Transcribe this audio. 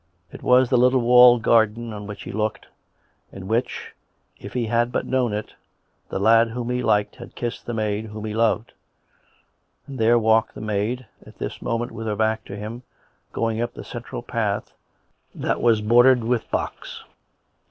It was the little walled garden on which he looked, in which, if he had but known it, the lad wliom he liked had kissed the maid whom he loved ; and there walked the maid, at this moment with her back to him, going up the central path that was bordered with box.